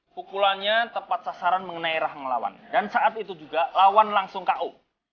pukulannya tepat sasaran mengenai rahang lawan dan saat itu juga lawan langsung k o